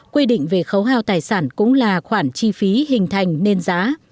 quy định về khấu hao tài sản cũng là khoản chi phí hình thành nên giá